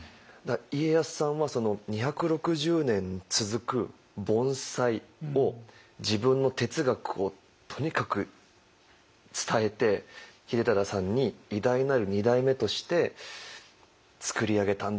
家康さんはその２６０年続く盆栽を自分の哲学をとにかく伝えて秀忠さんに偉大なる二代目として作り上げたんだなって。